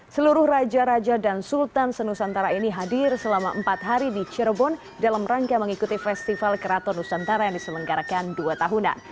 seluruh raja raja dan sultan senusantara ini hadir selama empat hari di cirebon dalam rangka mengikuti festival keraton nusantara yang diselenggarakan dua tahunan